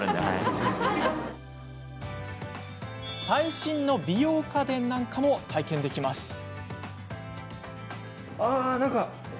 最新の美容家電も体験できます。